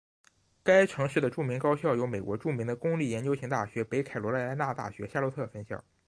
该城市的著名高校有美国著名的公立研究型大学北卡罗莱纳大学夏洛特分校。